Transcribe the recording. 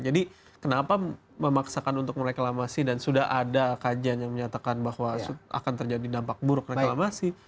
jadi kenapa memaksakan untuk mereklamasi dan sudah ada kajian yang menyatakan bahwa akan terjadi dampak buruk reklamasi